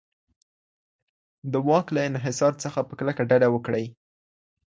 د واک له انحصار څخه په کلکه ډډه وکړئ.